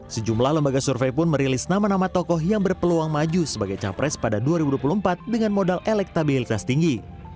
sejumlah lembaga survei pun merilis nama nama tokoh yang berpeluang maju sebagai capres pada dua ribu dua puluh empat dengan modal elektabilitas tinggi